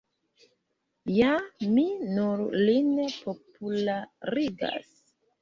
Ja mi nur lin popularigas.